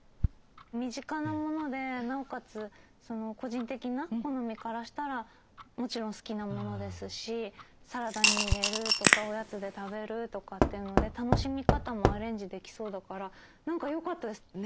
身近なものでなおかつ個人的な好みからしたらもちろん好きなものですしサラダに入れるとかおやつで食べるとかっていうので楽しみ方もアレンジできそうだから何かよかったです。